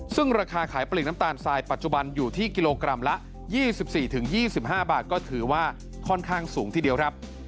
ซึ่งราคาขายปลีกน้ำตาลทรายปัจจุบันอยู่ที่กิโลกรัมละ๒๔๒๕บาทก็ถือว่าค่อนข้างสูงทีเดียวครับ